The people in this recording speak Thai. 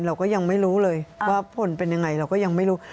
เราก็ยังไม่รู้เลยว่าผลเป็นยังไงเราก็ยังไม่รู้